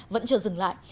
vẫn chưa dừng lại